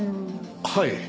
はい。